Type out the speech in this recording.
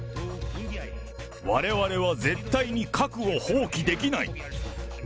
われわれは絶対に核を放棄できない。